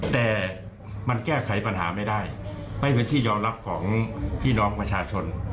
แต่มันแก้ไขปัญหาไม่ได้ไม่เป็นที่ยอมรับของพี่น้องประชาชน